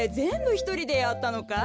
ひとりでやったのかい？